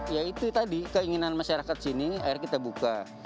ya itu tadi keinginan masyarakat sini akhirnya kita buka